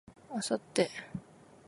明後日